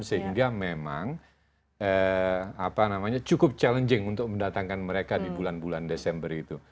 sehingga memang cukup challenging untuk mendatangkan mereka di bulan bulan desember itu